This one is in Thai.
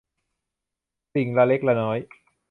สิ่งละเล็กละน้อย